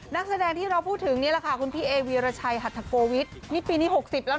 นักแสดงที่เราพูดถึงนี่แหละค่ะคุณพี่เอวีรชัยหัทโกวิทย์นี่ปีนี้๖๐แล้ว